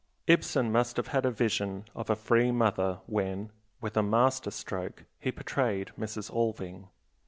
Ibsen must have had a vision of a free mother, when, with a master stroke, he portrayed Mrs. Alving.